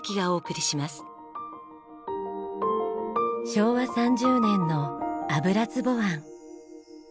昭和３０年の油壺湾。